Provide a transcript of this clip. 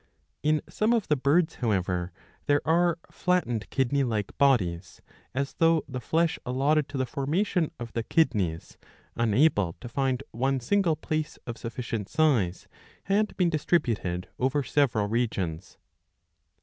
In some of the birds, however, there are flattened kidney like bodies, as though the flesh allotted to the formation of the kidneys, unable to find one single place of sufficient size, had been distributed over several regions.